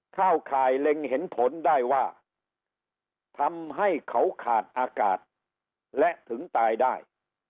เข้าข่ายเล็งเห็นผลได้ว่าทำให้เขาขาดอากาศและถึงตายได้